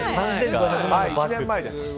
１年前です。